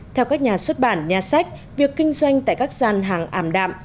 theo các nhà xuất bản nhà sách việc kinh doanh tại các gian hàng ảm đạm